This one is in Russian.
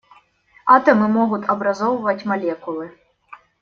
Атомы могут образовывать молекулы.